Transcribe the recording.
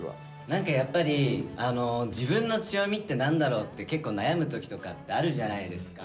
何かやっぱり自分の強みって何だろうって結構悩む時とかってあるじゃないですか。